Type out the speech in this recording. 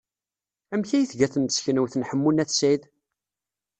Amek ay tga temseknewt n Ḥemmu n At Sɛid?